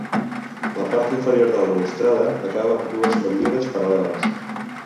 La part inferior de la balustrada acaba amb dues motllures paral·leles.